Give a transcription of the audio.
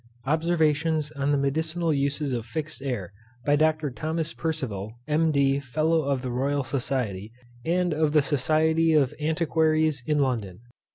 _Observations on the MEDICINAL USES of FIXED AIR. By THOMAS PERCIVAL, M. D. Fellow of the ROYAL SOCIETY, and of the SOCIETY of ANTIQUARIES in LONDON.